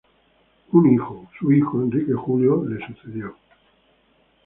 Su hijo, Enrique Julio, le sucedió.